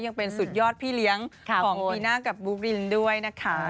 ยังเป็นสุดยอดพี่เลี้ยงของปีหน้ากับบุ๊กรินด้วยนะคะ